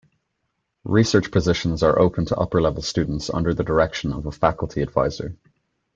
Research positions are open to upper-level students under the direction of a faculty adviser.